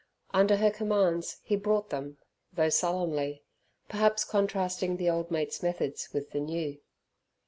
Under her commands he brought them, though sullenly, perhaps contrasting the old mate's methods with the new.